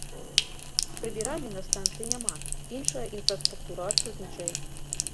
Прыбіральні на станцыі няма, іншая інфраструктура адсутнічае.